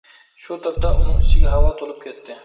شۇ تاپتا ئۇنىڭ ئىچىگە ھاۋا تولۇپ كەتتى.